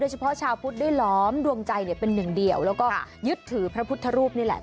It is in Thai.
เฉพาะชาวพุทธได้ล้อมดวงใจเป็นหนึ่งเดียวแล้วก็ยึดถือพระพุทธรูปนี่แหละ